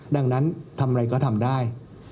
ดังนั้นทำอะไรก็ทำได้